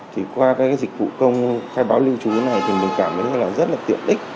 thì qua các dịch vụ công khai báo lưu trú này thì mình cảm thấy là rất là tiện ích